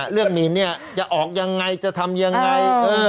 เรื่องมินเนี่ยจะออกอย่างไงจะทำอย่างไง